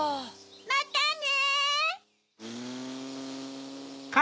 またね！